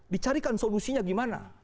dicarikan solusinya gimana